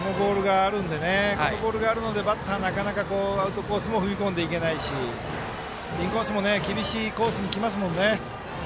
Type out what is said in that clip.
このボールがあるのでバッター、なかなかアウトコースも踏み込んでいけないしインコースも厳しいコースにきますもんね。